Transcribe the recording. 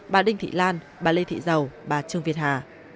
bà đinh thị lan bà lê thị giàu bà trương việt hà